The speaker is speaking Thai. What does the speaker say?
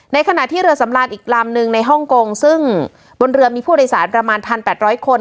ขณะที่เรือสำราญอีกลำหนึ่งในฮ่องกงซึ่งบนเรือมีผู้โดยสารประมาณ๑๘๐๐คน